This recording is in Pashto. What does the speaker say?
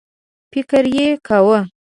فکر یې کاوه.